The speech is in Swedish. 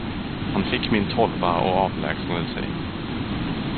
Han fick min tolva och avlägsnade sig.